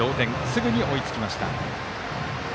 すぐに追いつきました。